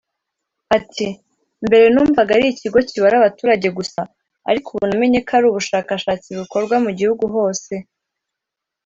Ati “Mbere numvaga ari ikigo kibara abaturage gusa ariko ubu namenye ko ari ubushakashatsi bukorwa mu gihugu hose